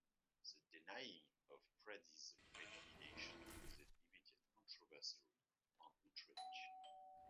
The denying of Pardee's renomination caused immediate controversy and outrage.